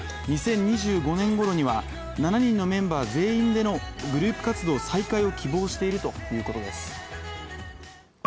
２０２５年ごろには７人のメンバー全員でのグループ活動再開を希望しているということです。